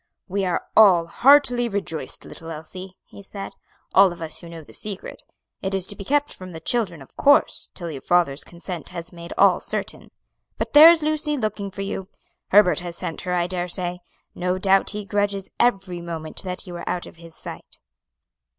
"We are all heartily rejoiced, little Elsie," he said, "all of us who know the secret; it is to be kept from the children, of course, till your father's consent has made all certain. But there is Lucy looking for you; Herbert has sent her, I daresay. No doubt he grudges every moment that you are out of his sight."